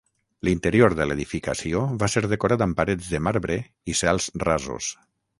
L'interior de l'edificació va ser decorat amb parets de marbre i cels rasos.